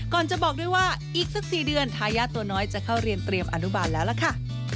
ก่อนจะบอกด้วยว่าอีกสัก๔เดือนทายาทตัวน้อยจะเข้าเรียนเตรียมอนุบาลแล้วล่ะค่ะ